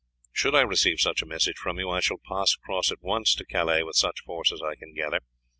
"Should I receive such a message from you, I shall pass across at once to Calais with such force as I can gather.